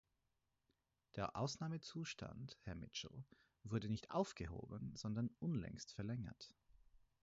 Der Ausnahmezustand, Herr Mitchell, wurde nicht aufgehoben, sondern unlängst verlängert.